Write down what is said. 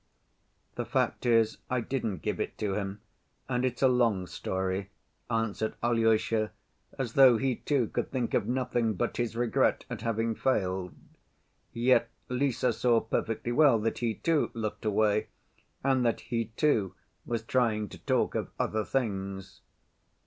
"The fact is I didn't give it to him, and it's a long story," answered Alyosha, as though he, too, could think of nothing but his regret at having failed, yet Lise saw perfectly well that he, too, looked away, and that he, too, was trying to talk of other things.